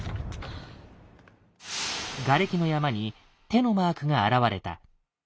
ガレキの山に手のマークが現れた。